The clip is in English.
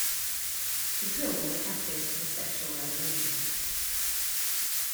The pill was a catalyst for the sexual revolution.